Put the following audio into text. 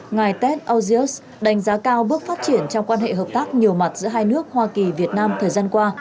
ngài tet auzios đánh giá cao bước phát triển trong quan hệ hợp tác nhiều mặt giữa hai nước hoa kỳ việt nam thời gian qua